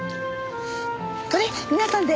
これ皆さんで。